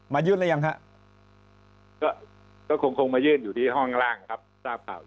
มายื่นหรือยังครับก็คงคงมายื่นอยู่ที่ห้องล่างครับ